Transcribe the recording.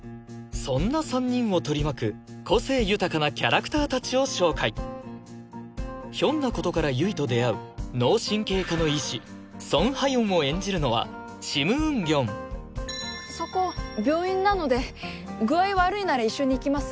そんな３人を取り巻く個性豊かなキャラクターたちを紹介ひょんなことから悠依と出会う脳神経科の医師ソン・ハヨンを演じるのはシム・ウンギョンそこ病院なので具合悪いなら一緒に行きます？